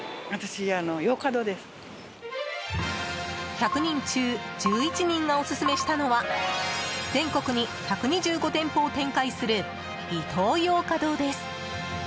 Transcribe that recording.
１００人中１１人がオススメしたのは全国に１２５店舗を展開するイトーヨーカドーです。